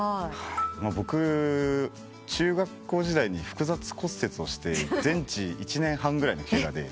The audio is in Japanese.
僕中学校時代に複雑骨折をして全治１年半ぐらいのケガで。